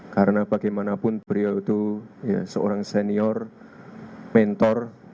karena bagaimanapun beliau itu seorang senior mentor